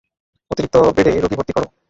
অতিরিক্ত বেডে রোগী ভর্তি করো।